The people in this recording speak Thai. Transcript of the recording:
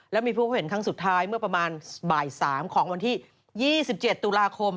และมีผู้เห็นครั้งสุดท้ายเมื่อประมาณบ่าย๓ของวันที่๒๗ตุลาคม